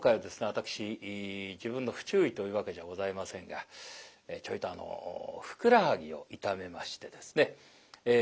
私自分の不注意というわけじゃございませんがちょいとあのふくらはぎを痛めましてですね